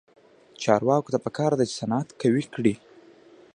چارواکو ته پکار ده چې، صنعت قوي کړي.